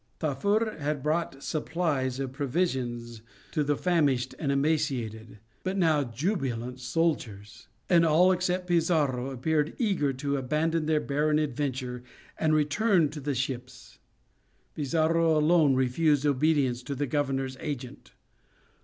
Tafur had brought supplies of provisions to the famished and emaciated, but now jubilant soldiers; and all except Pizarro appeared eager to abandon their barren adventure and return in the ships. Pizarro alone refused obedience to the governor's agent.